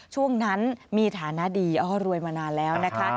ช่วงนั้นมีฐานะดีอ๋อรวยมานานแล้วนะคะ